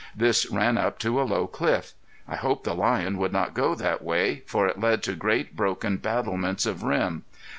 This ran up to a low cliff. I hoped the lion would not go that way, for it led to great broken battlements of rim.